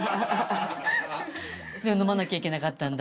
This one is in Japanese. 飲まなきゃいけなかったんだ。